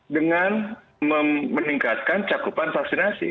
dengan meningkatkan cakupan vaksinasi